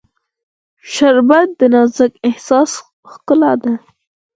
شربت د نازک احساس ښکلا ده